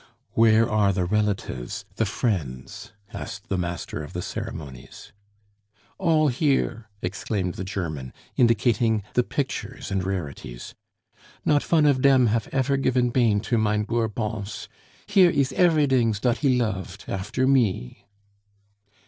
"Where are the relatives, the friends?" asked the master of the ceremonies. "All here!" exclaimed the German, indicating the pictures and rarities. "Not von of dem haf efer gifn bain to mein boor Bons.... Here ees everydings dot he lofed, after me."